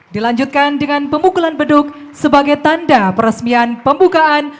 dilanjutkan dengan pemukulan beduk sebagai tanda peresmian pembukaan